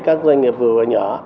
các doanh nghiệp vừa và nhỏ